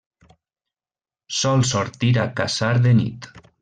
Sol sortir a caçar de nit.